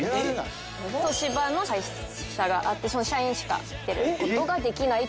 東芝の会社があってその社員しか出る事ができない